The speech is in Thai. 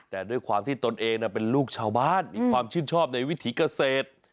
แต่ด้วยความที่ตนเองเป็นลูกชาวบ้านมีความชื่นชอบในวิถีเกษตร